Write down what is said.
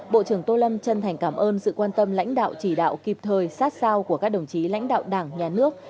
bộ trưởng tô lâm chân thành cảm ơn sự quan tâm lãnh đạo chỉ đạo kịp thời sát sao của các đồng chí lãnh đạo đảng nhà nước